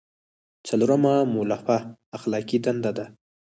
څلورمه مولفه اخلاقي دنده ده.